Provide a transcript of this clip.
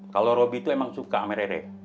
kalau robi tuh emang suka sama rere